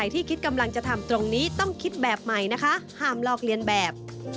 ที่คิดกำลังจะทำตรงนี้ต้องคิดแบบใหม่นะคะห้ามลอกเลียนแบบ